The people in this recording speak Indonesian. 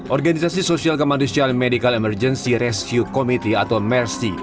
organisasi sosial kemanusiaan medical emergency rescue committee atau mersi